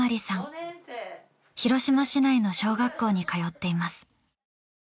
広島市内の小学校に通っています。